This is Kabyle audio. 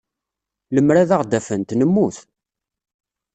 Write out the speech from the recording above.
Lemmer ad aɣ-d-afent, nemmut.